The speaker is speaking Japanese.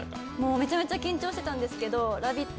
めちゃめちゃ緊張していたんですけど「ラヴィット！」